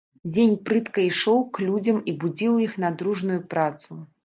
Дзень прытка ішоў к людзям і будзіў іх на дружную працу.